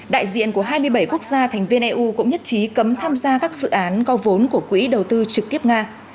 đại diện của hai mươi bảy quốc gia thành viên eu cũng nhất trí cấm tham gia các dự án có vốn của quỹ đầu tư trực tiếp nga